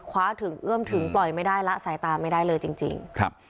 คว้าถึงเอื้อมถึงปล่อยไม่ได้ละสายตาไม่ได้เลยจริง